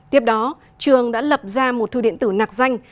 tiếp đó trường đã lập ra một thư điện tử nạc danh